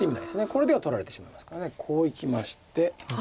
これでは取られてしまいますからこういきまして。